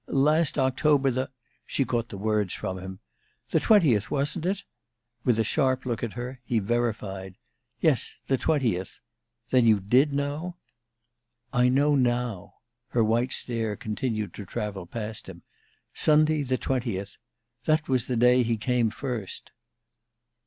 Last October the " She caught the words from him. "The 20th, wasn't it?" With a sharp look at her, he verified. "Yes, the 20th. Then you did know?" "I know now." Her white stare continued to travel past him. "Sunday, the 20th that was the day he came first."